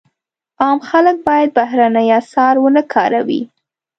عام خلک باید بهرني اسعار ونه کاروي.